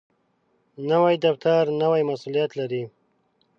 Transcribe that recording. نوی دفتر نوی مسؤولیت لري